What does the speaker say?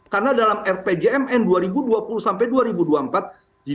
karena dalam rpjmn dua ribu dua puluh sampai dua ribu dua puluh empat